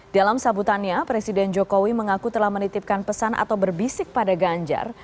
dalam sambutannya presiden jokowi mengaku telah menitipkan pesan atau berbisik pada ganjar